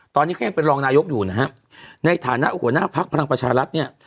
ตอนนี้เขายังเป็นรองนายกอยู่นะฮะในฐานะหัวหน้าพักพลังประชารัฐเนี่ย